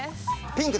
ピンク？